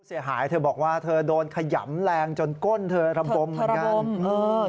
เสียหายเธอบอกว่าเธอโดนขยำแรงจนก้นเธอระบมเหมือนกัน